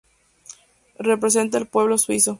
Representa al pueblo suizo.